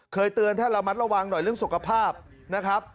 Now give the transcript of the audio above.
เคยเตือนท่านระมัดระวังหน่อยเรื่องสุขภาพนะครับ